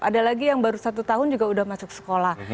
ada lagi yang baru satu tahun juga sudah masuk sekolah